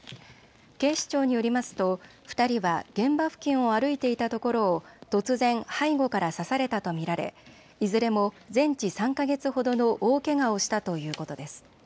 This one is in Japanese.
警視庁によりますと２人は現場付近を歩いていたところを突然、背後から刺されたと見られいずれも全治３か月ほどの大けがをしたということです。